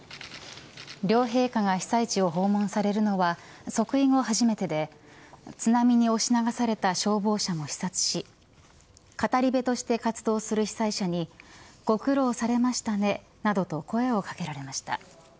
両陛下が被災地を訪問されるのは即位後初めてで津波に押し流された消防車も視察し語り部として活動する被災者にご苦労なされましたねなどと声を掛けられました。